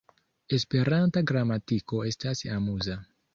Esperanta gramatiko estas amuza!